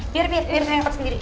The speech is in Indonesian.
biar dehir saya angkat sendiri